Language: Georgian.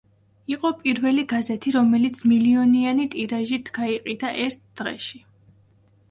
იყო პირველი გაზეთი, რომელიც მილიონიანი ტირაჟით გაიყიდა ერთ დღეში.